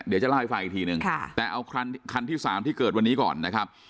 เดี๋ยวจะเล่าให้ฟังอีกทีนึงแต่เอาคันที่๓ที่เกิดวันนี้ก่อนนะครับ